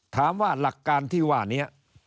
ถามว่าหลักการที่ว่านี้